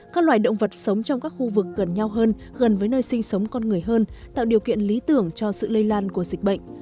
các loài động vật sống trong các khu vực gần nhau hơn gần với nơi sinh sống con người hơn tạo điều kiện lý tưởng cho sự lây lan của dịch bệnh